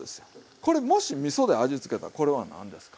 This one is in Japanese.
これもしみそで味つけたらこれは何ですか？